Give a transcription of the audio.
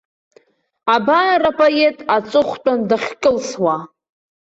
Абар апоет аҵыхәтәан дахькылсуа.